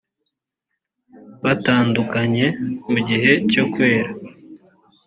batandukanye mu gihe cyo kwera